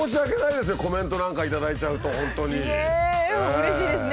でもうれしいですね。